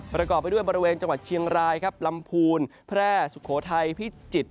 ประกอบไปด้วยบริเวณจังหวัดเชียงรายครับลำพูนแพร่สุโขทัยพิจิตร